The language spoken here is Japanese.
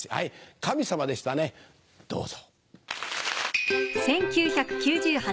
神様でしたねどうぞ。